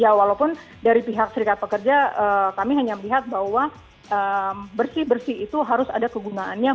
ya walaupun dari pihak serikat pekerja kami hanya melihat bahwa bersih bersih itu harus ada kegunaannya